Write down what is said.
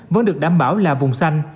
vẫn được đảm bảo là vùng xanh